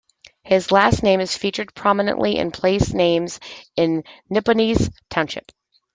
His last name is featured prominently in place names in Nippenose Township.